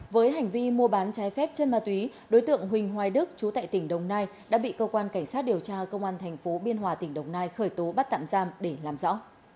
với hành vi mua bán trái phép chân ma túy đối tượng huỳnh hoài đức chú tại tỉnh đồng nai đã bị cơ quan cảnh sát điều tra công an tp biên hòa tỉnh đồng nai khởi tố bắt tạm giam để làm rõ